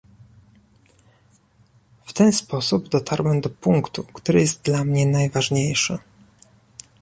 W ten sposób dotarłem do punktu, który jest dla mnie najważniejszy